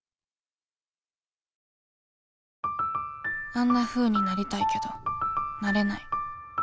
あんなふうになりたいけどなれない